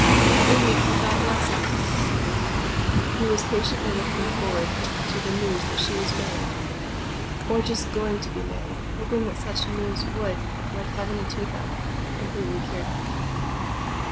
Every week he thought less often of Kitty. He was impatiently looking forward to the news that she was married, or just going to be married, hoping that such news would, like having a tooth out, completely cure him.